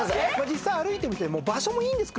実際歩いてみて。